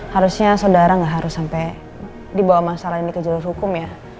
harusnya saudara nggak harus sampai dibawa masalah ini ke jalur hukum ya